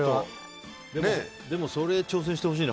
それ挑戦してほしいね。